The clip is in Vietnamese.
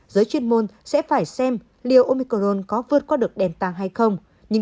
giới chuyên môn sẽ phải xem liệu omicron có vượt qua được delta hay không